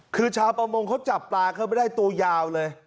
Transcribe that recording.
คือชาวประมงเขาจับปลาเข้าไปได้ตัวยาวเลย